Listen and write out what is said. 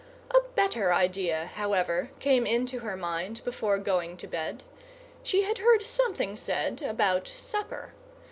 A better idea, however, came into her mind before going to bed. She had heard something said about supper.